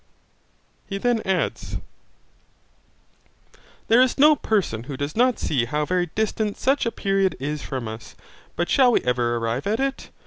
He then adds, There is no person who does not see how very distant such a period is from us, but shall we ever arrive at it?